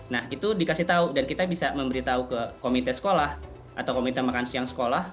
nah itu dikasih tahu dan kita bisa memberitahu ke komite sekolah atau komite makan siang sekolah